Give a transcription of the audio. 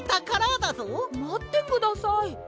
まってください。